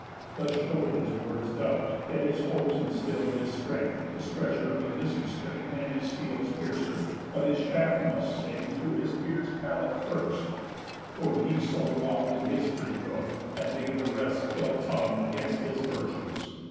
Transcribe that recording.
Thus show'd his words doubt, yet his hopes instill'd His strength the stretcher of Ulysses' string, And his steels' piercer. But his shaft must sing Through his pierc'd palate first; whom so he wrong'd In his free roof, and made the rest ill tongued Against his virtues.